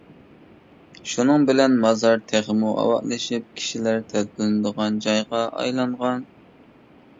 شۇنىڭ بىلەن مازار تېخىمۇ ئاۋاتلىشىپ كىشىلەر تەلپۈنىدىغان جايغا ئايلانغان.